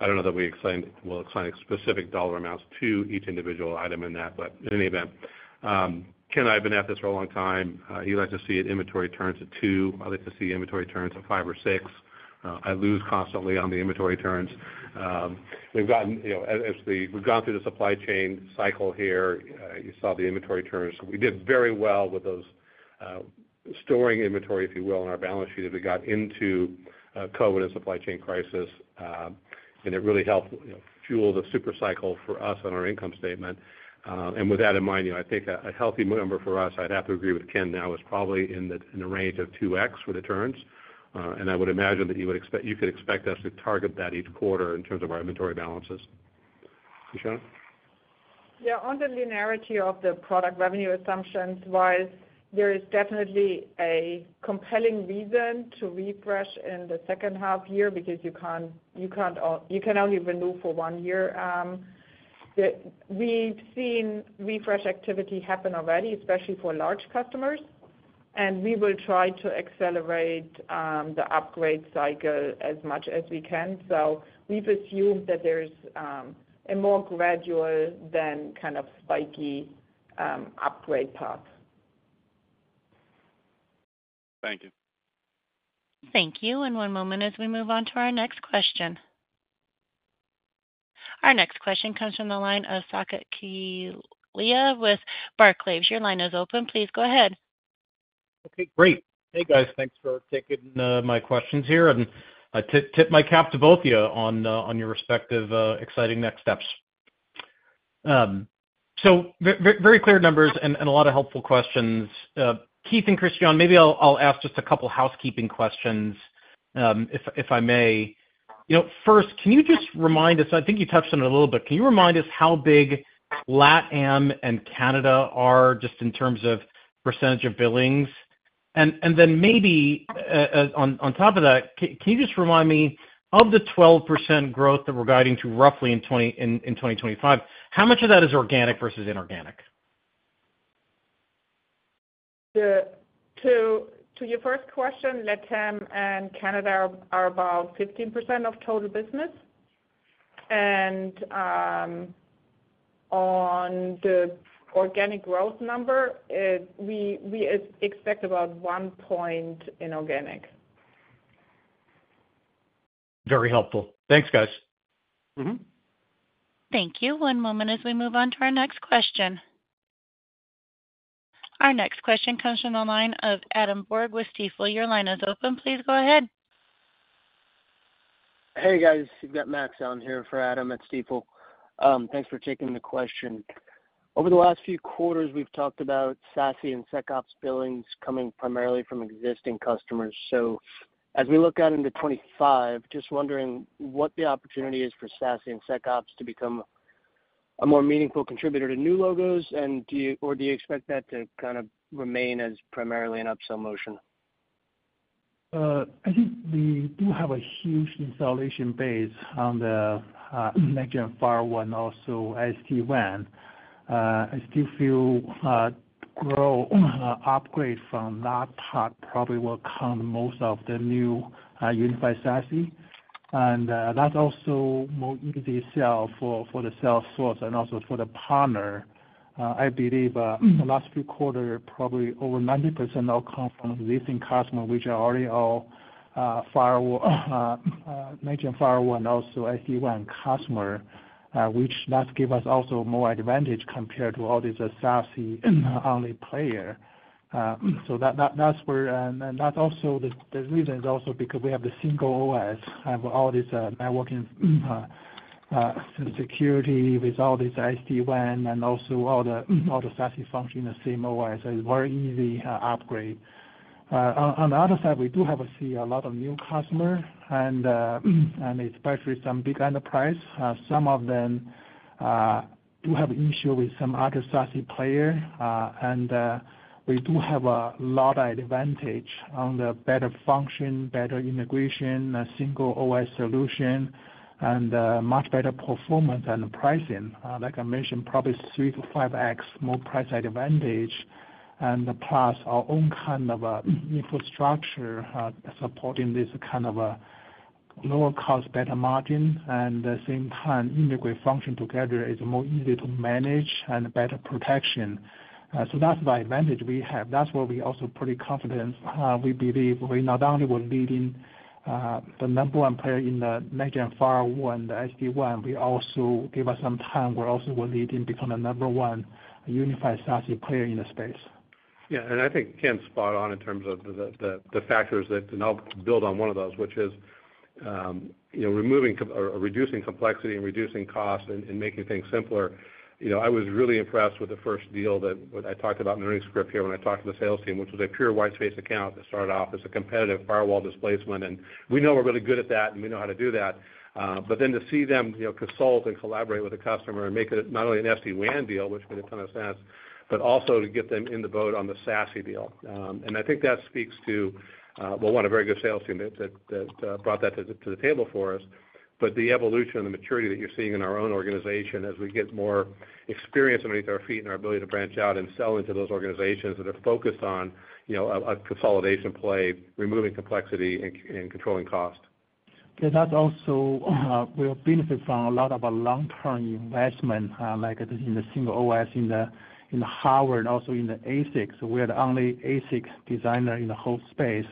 I don't know that we'll assign specific dollar amounts to each individual item in that, but in any event, Ken, I've been at this for a long time. He likes to see inventory turns at two. I like to see inventory turns at five or six. I lose constantly on the inventory turns. We've gone through the supply chain cycle here. You saw the inventory turns. We did very well with those storing inventory, if you will, on our balance sheet as we got into COVID and supply chain crisis, and it really helped fuel the super cycle for us on our income statement. With that in mind, I think a healthy number for us, I'd have to agree with Ken now, is probably in the range of 2x for the turns. I would imagine that you could expect us to target that each quarter in terms of our inventory balances. Yeah, on the linearity of the product revenue assumptions-wise, there is definitely a compelling reason to refresh in the second half year because you can only renew for one year. We've seen refresh activity happen already, especially for large customers. And we will try to accelerate the upgrade cycle as much as we can. So we've assumed that there's a more gradual than kind of spiky upgrade path. Thank you. Thank you and one moment as we move on to our next question. Our next question comes from the line of Saket Kalia with Barclays. Your line is open. Please go ahead. Okay, great. Hey, guys. Thanks for taking my questions here. And I tip my cap to both of you on your respective exciting next steps. So very clear numbers and a lot of helpful questions. Keith and Christiane, maybe I'll ask just a couple of housekeeping questions, if I may. First, can you just remind us, I think you touched on it a little bit, can you remind us how big LATAM and Canada are just in terms of percentage of billings? And then maybe on top of that, can you just remind me of the 12% growth that we're guiding to roughly in 2025? How much of that is organic versus inorganic? To your first question, LATAM and Canada are about 15% of total business, and on the organic growth number, we expect about 1 point in organic. Very helpful. Thanks, guys. Thank you. One moment as we move on to our next question. Our next question comes from the line of Adam Borg with Stifel. Your line is open. Please go ahead. Hey, guys. You've got Max on here for Adam at Stifel. Thanks for taking the question. Over the last few quarters, we've talked about SASE and SecOps billings coming primarily from existing customers. So as we look out into 2025, just wondering what the opportunity is for SASE and SecOps to become a more meaningful contributor to new logos, or do you expect that to kind of remain as primarily an upsell motion? I think we do have a huge installation base on the legacy firewall and also SD-WAN. I still feel growth upgrade from that part probably will come most of the new unified SASE. And that's also more easy sell for the sales force and also for the partner. I believe the last few quarters, probably over 90% will come from existing customers, which are already all legacy firewall and also SD-WAN customers, which gives us also more advantage compared to all this SASE-only player. So that's where and that's also the reason is also because we have the single OS for all this networking security with all this SD-WAN and also all the SASE functions in the same OS. It's a very easy upgrade. On the other side, we do see a lot of new customers, and especially some big enterprise. Some of them do have issues with some other SASE players. And we do have a lot of advantage on the better function, better integration, a single OS solution, and much better performance and pricing. Like I mentioned, probably 3 to 5x more price advantage. And plus our own kind of infrastructure supporting this kind of lower cost, better margin. And at the same time, integrate function together is more easy to manage and better protection. So that's the advantage we have. That's where we also pretty confident. We believe we not only were leading the number one player in the leading firewall and the SD-WAN, we also gave us some time where also we're leading becoming a number one unified SASE player in the space. Yeah. And I think Ken's spot on in terms of the factors that can help build on one of those, which is removing or reducing complexity and reducing cost and making things simpler. I was really impressed with the first deal that I talked about in the script here when I talked to the sales team, which was a pure white space account that started off as a competitive firewall displacement. And we know we're really good at that, and we know how to do that. But then to see them consult and collaborate with a customer and make it not only an SD-WAN deal, which made a ton of sense, but also to get them on board on the SASE deal. And I think that speaks to, well, we're a very good sales team that brought that to the table for us. The evolution and the maturity that you're seeing in our own organization as we get more experience underneath our feet and our ability to branch out and sell into those organizations that are focused on a consolidation play, removing complexity and controlling cost. Yeah, that's also we benefit from a lot of our long-term investment like in the single OS, in the hardware, and also in the ASIC. So we are the only ASIC designer in the whole space.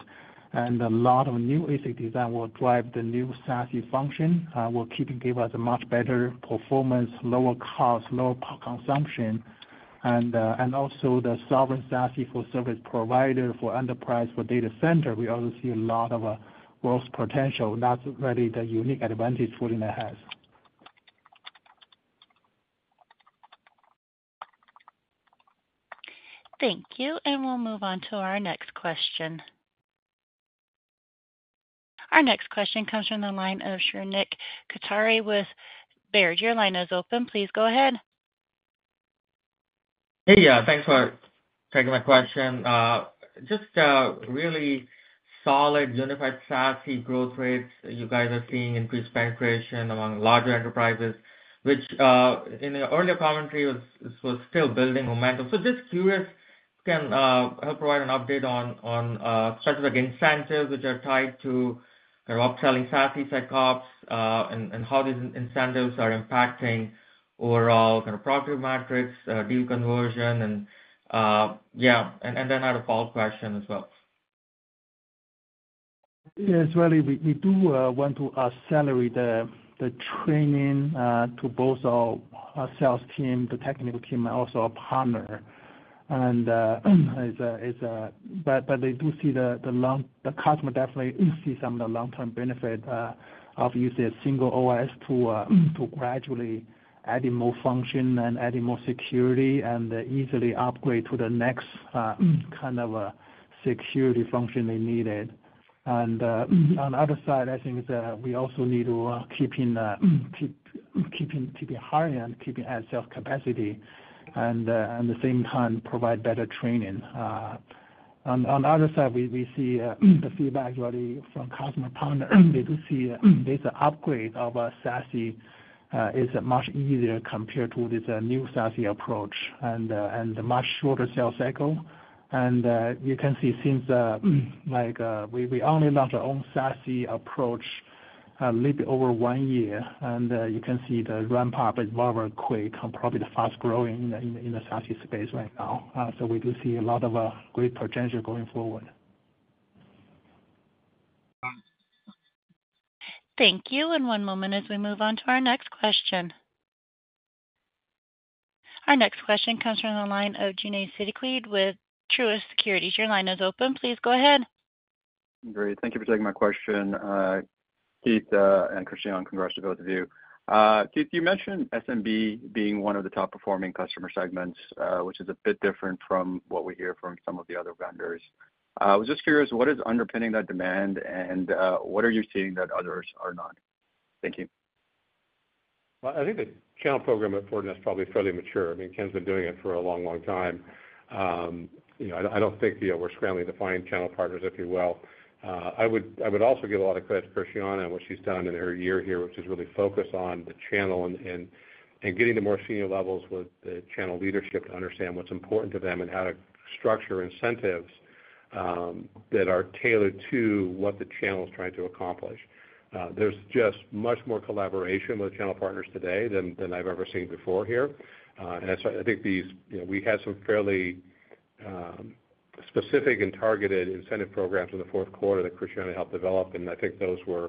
And a lot of new ASIC design will drive the new SASE function. We'll keep and give us a much better performance, lower cost, lower consumption. And also the sovereign SASE for service provider, for enterprise, for data center, we also see a lot of growth potential. That's really the unique advantage Fortinet has. Thank you. And we'll move on to our next question. Our next question comes from the line of Shrenik Kothari with Baird. Your line is open. Please go ahead. Hey, yeah. Thanks for taking my question. Just really solid unified SASE growth rates. You guys are seeing increased penetration among larger enterprises, which in the earlier commentary was still building momentum. So just curious, can help provide an update on specific incentives which are tied to kind of upselling SASE, SecOps, and how these incentives are impacting overall kind of product matrix, deal conversion, and yeah. And then I have a follow-up question as well. Yeah, as well, we do want to accelerate the training to both our sales team, the technical team, and also our partners. But they do see the customer definitely sees some of the long-term benefit of using a single OS to gradually add more function and add more security and easily upgrade to the next kind of security function they needed. And on the other side, I think we also need to keep on hiring and keep on adding sales capacity and at the same time provide better training. On the other side, we see the feedback really from customers and partners. They do see this upgrade of SASE is much easier compared to the new SASE approach and much shorter sales cycle. And you can see since we only launched our own SASE approach a little bit over one year. You can see the ramp-up is very, very quick and probably fast-growing in the SASE space right now. We do see a lot of great potential going forward. Thank you. And one moment as we move on to our next question. Our next question comes from the line of Junaid Siddiqui with Truist Securities. Your line is open. Please go ahead. Great. Thank you for taking my question. Keith and Christiane, congrats to both of you. Keith, you mentioned SMB being one of the top-performing customer segments, which is a bit different from what we hear from some of the other vendors. I was just curious, what is underpinning that demand, and what are you seeing that others are not? Thank you. I think the channel program at Fortinet is probably fairly mature. I mean, Ken's been doing it for a long, long time. I don't think we're scrambling to find channel partners, if you will. I would also give a lot of credit to Christiane and what she's done in her year here, which is really focused on the channel and getting the more senior levels with the channel leadership to understand what's important to them and how to structure incentives that are tailored to what the channel is trying to accomplish. There's just much more collaboration with channel partners today than I've ever seen before here. And I think we had some fairly specific and targeted incentive programs in the fourth quarter that Christiane helped develop. I think those were,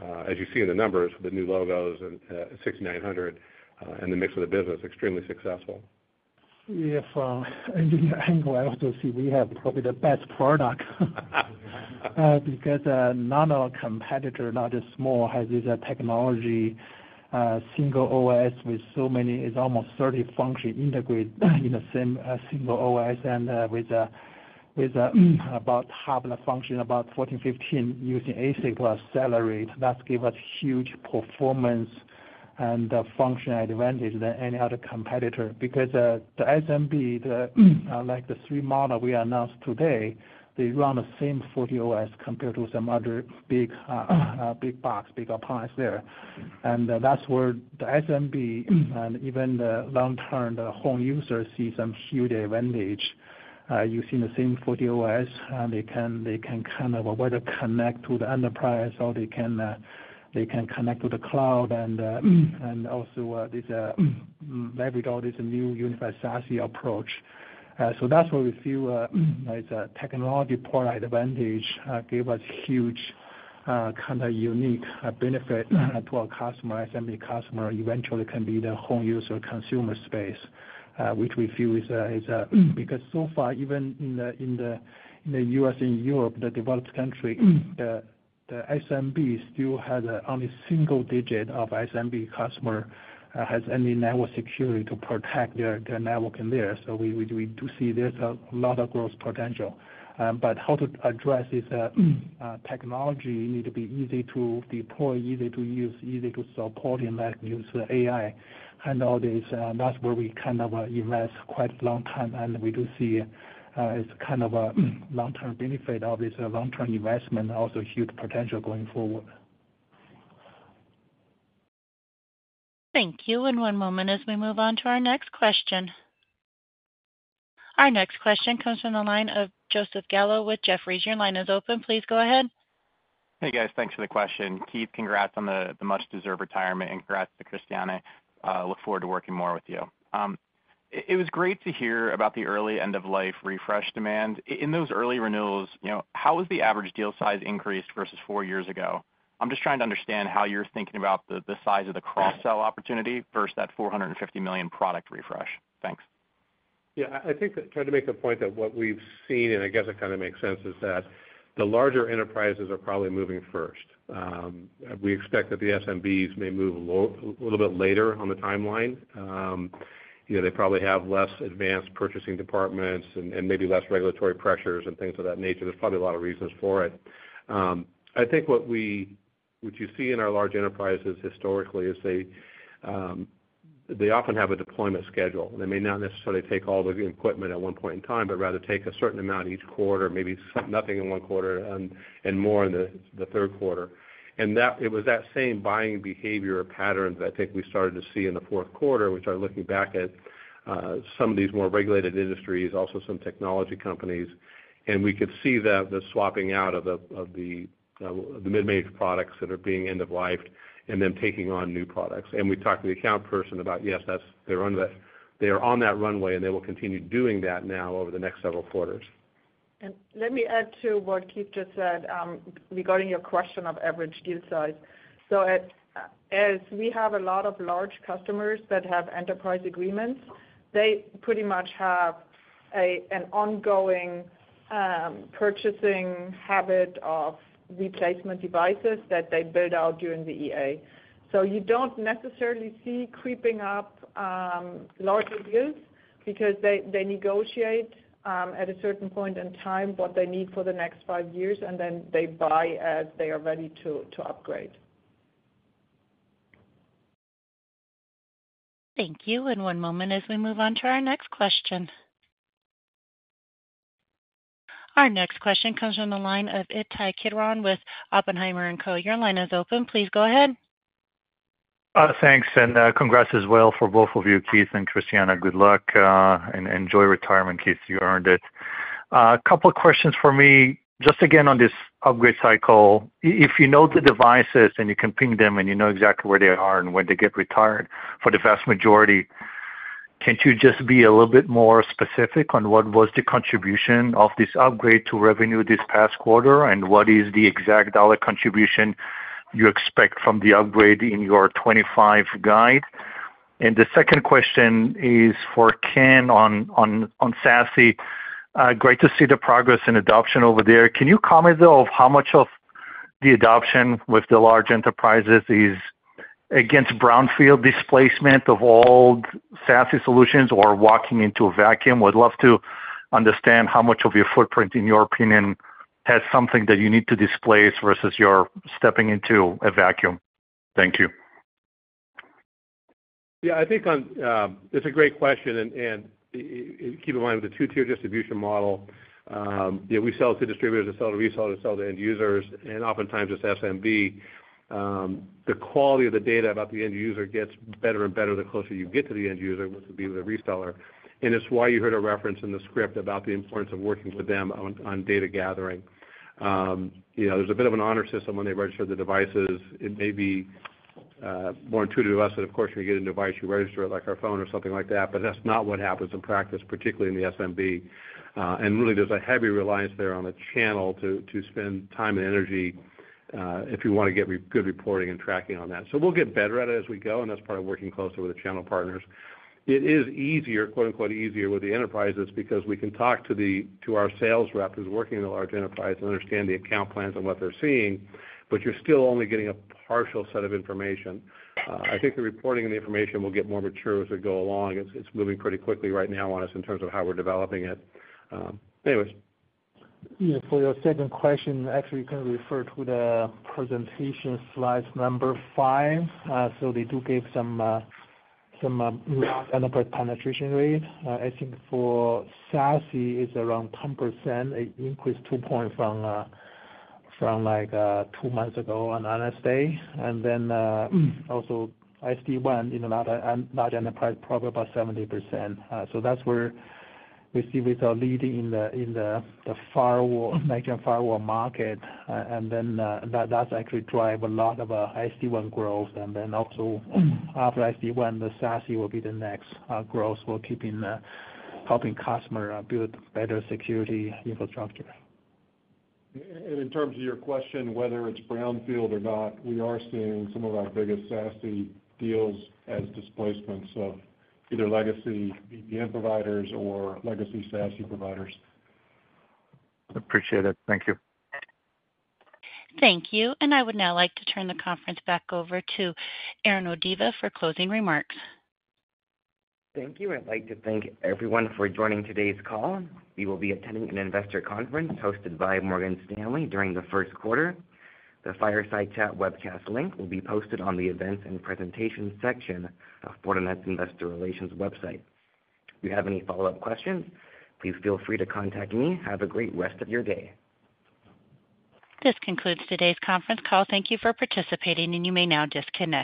as you see in the numbers, the new logos and 6,900 and the mix of the business, extremely successful. Yes. And generally, I also see we have probably the best product because none of our competitors, not a single, has this technology single OS with so many. It's almost 30 functions integrated in the same single OS and with about half the function, about 14, 15 using ASIC to accelerate. That's given us huge performance and functional advantage than any other competitor because the SMB, like the three models we announced today, they run the same FortiOS compared to some other big box, big appliance there. And that's where the SMB and even the long-term home users see some huge advantage using the same FortiOS. They can kind of either connect to the enterprise or they can connect to the cloud and also leverage all this new unified SASE approach. So that's where we feel as a technological advantage gives us huge kind of unique benefit to our customers. SMB customers eventually can be the home user consumer space, which we feel is because so far, even in the U.S. and Europe, the developed country, the SMB still has only single digit of SMB customers have any network security to protect their network in there. So we do see there's a lot of growth potential. But how to address this technology needs to be easy to deploy, easy to use, easy to support in AI and all this. And that's where we kind of invest quite a long time. And we do see it's kind of a long-term benefit of this long-term investment, also huge potential going forward. Thank you. And one moment as we move on to our next question. Our next question comes from the line of Joseph Gallo with Jefferies. Your line is open. Please go ahead. Hey, guys. Thanks for the question. Keith, congrats on the much-deserved retirement and congrats to Christiane. Look forward to working more with you. It was great to hear about the early end-of-life refresh demand. In those early renewals, how was the average deal size increased versus four years ago? I'm just trying to understand how you're thinking about the size of the cross-sell opportunity versus that $450 million product refresh. Thanks. Yeah. I think trying to make the point that what we've seen, and I guess it kind of makes sense, is that the larger enterprises are probably moving first. We expect that the SMBs may move a little bit later on the timeline. They probably have less advanced purchasing departments and maybe less regulatory pressures and things of that nature. There's probably a lot of reasons for it. I think what you see in our large enterprises historically is they often have a deployment schedule. They may not necessarily take all the equipment at one point in time, but rather take a certain amount each quarter, maybe nothing in one quarter and more in the third quarter. It was that same buying behavior pattern that I think we started to see in the fourth quarter when we started looking back at some of these more regulated industries, also some technology companies. We could see the swapping out of the mid-range products that are being end-of-life and then taking on new products. We talked to the account person about, yes, they're on that runway, and they will continue doing that now over the next several quarters. Let me add to what Keith just said regarding your question of average deal size. So as we have a lot of large customers that have enterprise agreements, they pretty much have an ongoing purchasing habit of replacement devices that they build out during the EA. So you don't necessarily see creeping up larger deals because they negotiate at a certain point in time what they need for the next five years, and then they buy as they are ready to upgrade. Thank you, and one moment as we move on to our next question. Our next question comes from the line of Ittai Kidron with Oppenheimer & Co. Your line is open. Please go ahead. Thanks. And congrats as well for both of you, Keith and Christiane. Good luck. And enjoy retirement, Keith. You earned it. A couple of questions for me. Just again on this upgrade cycle, if you know the devices and you can ping them and you know exactly where they are and when they get retired for the vast majority, can you just be a little bit more specific on what was the contribution of this upgrade to revenue this past quarter and what is the exact dollar contribution you expect from the upgrade in your 25 guide? And the second question is for Ken on SASE. Great to see the progress in adoption over there. Can you comment, though, of how much of the adoption with the large enterprises is against brownfield displacement of old SASE solutions or walking into a vacuum? Would love to understand how much of your footprint, in your opinion, has something that you need to displace versus you're stepping into a vacuum? Thank you. Yeah. I think it's a great question. And keep in mind with the two-tier distribution model, we sell to distributors, we sell to resellers, we sell to end users, and oftentimes it's SMB. The quality of the data about the end user gets better and better the closer you get to the end user, which would be with a reseller. And it's why you heard a reference in the script about the importance of working with them on data gathering. There's a bit of an honor system when they register the devices. It may be more intuitive to us that, of course, when you get a new device, you register it like our phone or something like that. But that's not what happens in practice, particularly in the SMB. Really, there's a heavy reliance there on a channel to spend time and energy if you want to get good reporting and tracking on that. We'll get better at it as we go, and that's part of working closer with the channel partners. It is easier, "easier" with the enterprises because we can talk to our sales rep who's working in the large enterprise and understand the account plans and what they're seeing, but you're still only getting a partial set of information. I think the reporting and the information will get more mature as we go along. It's moving pretty quickly right now on us in terms of how we're developing it. Anyways. Yeah. For your second question, actually, you can refer to the presentation slide number five. So they do give some enterprise penetration rate. I think for SASE, it's around 10%. It increased two points from two months ago on Analyst Day. And then also SD-WAN in a large enterprise, probably about 70%. So that's where we see we are leading in the NGFW market. And then that's actually driving a lot of SD-WAN growth. And then also after SD-WAN, the SASE will be the next growth for keeping helping customers build better security infrastructure. In terms of your question, whether it's brownfield or not, we are seeing some of our biggest SASE deals as displacements of either legacy VPN providers or legacy SASE providers. Appreciate it. Thank you. Thank you. I would now like to turn the conference back over to Aaron Ovadia for closing remarks. Thank you. I'd like to thank everyone for joining today's call. We will be attending an investor conference hosted by Morgan Stanley during the first quarter. The Fireside Chat webcast link will be posted on the events and presentation section of Fortinet's investor relations website. If you have any follow-up questions, please feel free to contact me. Have a great rest of your day. This concludes today's conference call. Thank you for participating, and you may now disconnect.